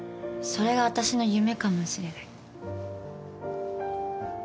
それが私の夢かもしれない。